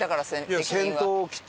いや先頭を切って。